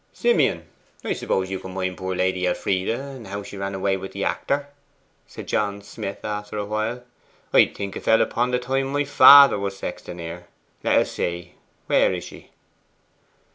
'Simeon, I suppose you can mind poor Lady Elfride, and how she ran away with the actor?' said John Smith, after awhile. 'I think it fell upon the time my father was sexton here. Let us see where is she?